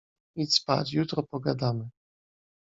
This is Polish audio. Idź spać, jutro pogadamy.